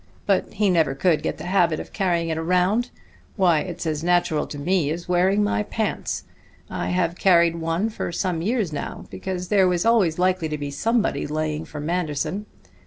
But he never could get the habit of carrying it around. Why, it's as natural to me as wearing my pants. I have carried one for some years now, because there was always likely to be somebody laying for Manderson.